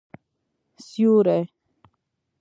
سیوری